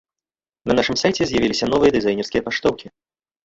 На нашым сайце з'явіліся новыя дызайнерскія паштоўкі.